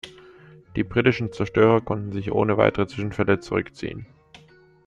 Die britischen Zerstörer konnten sich ohne weitere Zwischenfälle zurückziehen.